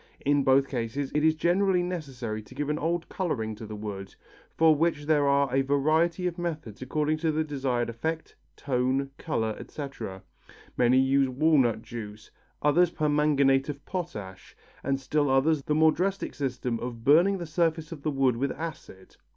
In both cases it is generally necessary to give an old colouring to the wood, for which there are a variety of methods according to the desired effect, tone, colour, etc. Many use walnut juice, others permanganate of potash, and still others the more drastic system of burning the surface of the wood with acid.